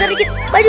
eh pak pak pak